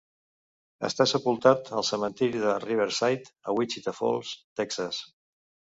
Està sepultat al cementiri de Riverside, a Wichita Falls, Texas.